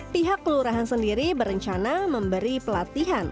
pihak kelurahan sendiri berencana memberi pelatihan